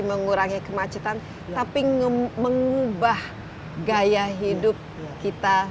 mengurangi kemacetan tapi mengubah gaya hidup kita